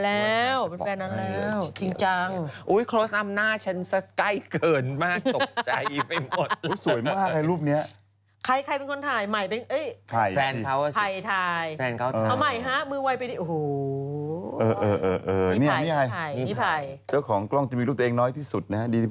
เป็นนานแล้วเป็นแฟนนั้นแล้วจริงจัง